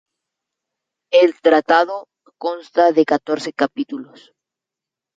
El tratado consta de catorce capítulos.